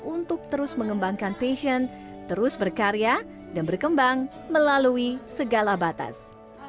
untuk terus mengembangkan passion terus berkarya dan berkembang melalui segala batas